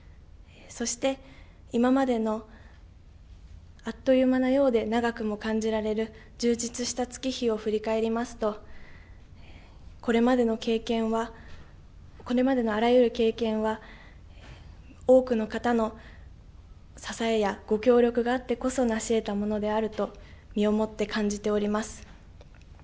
そして今までのあっという間なようで長くも感じられる充実した月日を振り返りますとこれまでの経験はこれまでのあらゆる経験は多くの方の支えやご協力があってこそ成しえたものであると身をもって感じております。